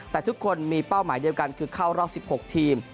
แต่ทุกคนมีเป้าหมายเดียวกันคือเข้ารอบ๑๖ทีม